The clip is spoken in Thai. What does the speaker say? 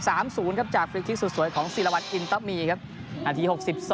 สามศูนย์ครับจากโฟลิสที่สุดสวยของศิราวัติอินตอบมีครับนาที๖๒